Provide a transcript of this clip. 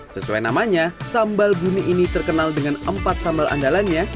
sesuai namanya sambal buni ini terkenal dengan empat sambal andalannya